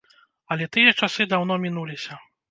Але тыя часы даўно мінуліся.